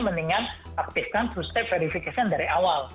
mendingan aktifkan dua step verification dari awal